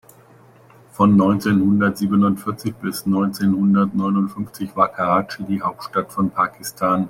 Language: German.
Von neunzehn-hundert-siebundvierzig bis neunzehn-hundert-neunundfünfzig war Karatschi die Hauptstadt von Pakistan.